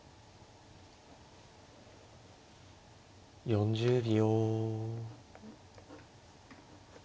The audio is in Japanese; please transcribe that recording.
４０秒。